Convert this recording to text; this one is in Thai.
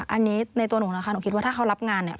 อันนี้ในตัวหนูนะคะหนูคิดว่าถ้าเขารับงานเนี่ย